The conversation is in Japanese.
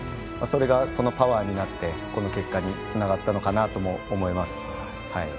それがパワーになってこの結果につながったのかなとも思います。